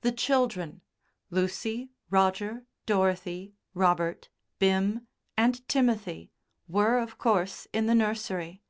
The children Lucy, Roger, Dorothy, Robert, Bim, and Timothy were, of course, in the nursery.